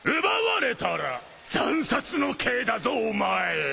奪われたら惨殺の刑だぞお前。